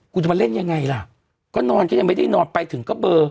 คุณจะมาเล่นยังไงล่ะก็นอนก็ยังไม่ได้นอนไปถึงก็เบอร์